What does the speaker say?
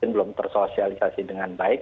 belum tersosialisasi dengan baik